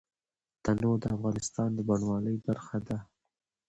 تنوع د افغانستان د بڼوالۍ برخه ده.